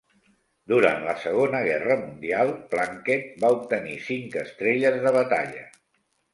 Durant la Segona Guerra Mundial, "Plunkett" va obtenir cinc estrelles de batalla.